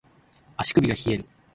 足首が冷える